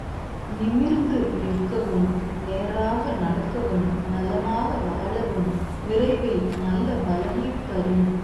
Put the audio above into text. நிமிர்ந்து நிற்கவும், நேராக நடக்கவும், நலமாக வாழவும் விரைவில் நல்ல பயனைத் தரும்.